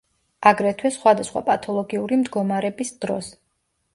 აგრეთვე სხვადასხვა პათოლოგიური მდგომარების დროს.